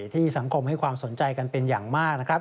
ที่สังคมให้ความสนใจกันเป็นอย่างมากนะครับ